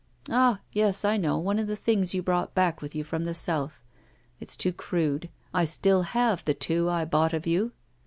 Ah! yes, I know, one of the things you brought back with you from the South. It's too crude. I still have the two I bought of you.